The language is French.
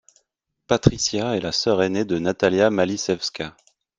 Patrycja est la sœur ainée de Natalia Maliszewska.